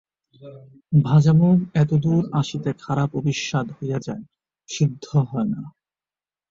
ভাজা মুগ এতদূর আসিতে খারাপ ও বিস্বাদ হইয়া যায়, সিদ্ধ হয় না।